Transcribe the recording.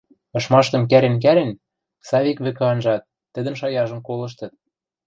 ышмаштым кӓрен-кӓрен, Савик вӹкӹ анжат, тӹдӹн шаяжым колыштыт.